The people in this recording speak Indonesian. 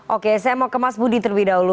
oke saya mau ke mas budi terlebih dahulu